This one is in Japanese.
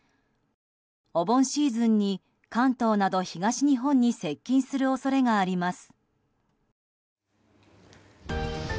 お盆シーズンに関東など東日本に接近する恐れがあります。